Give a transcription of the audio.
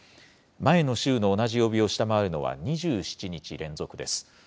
前の週の同じ曜日を下回るのは２７日連続です。